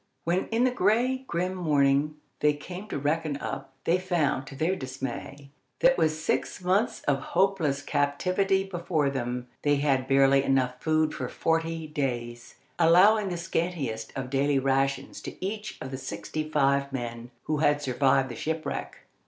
When in the gray, grim morning they came to reckon up, they found, to their dismay, that with six months of hopeless captivity before them, they had barely enough food for forty days, allowing the scantiest of daily rations to each of the sixty five men who had survived the shipwreck.